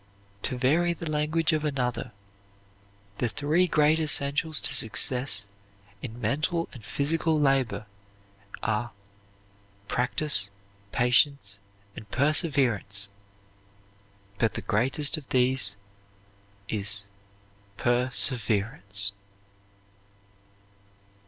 To vary the language of another, the three great essentials to success in mental and physical labor are Practice, Patience, and Perseverance, but the greatest of these is Perseverance.